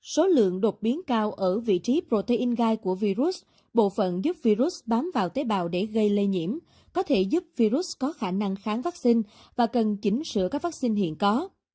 số lượng đột biến cao ở vị trí protein gai của virus bộ phận giúp virus bám vào tế bào để gây lây nhiễm có thể giúp virus có khả năng kháng vaccine và cần chỉnh sửa các vaccine hiện có